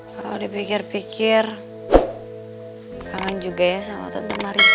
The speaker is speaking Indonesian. kalau dipikir pikir kangen juga ya sama tante marisa